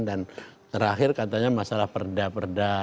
dan terakhir katanya masalah perda perda